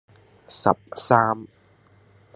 十三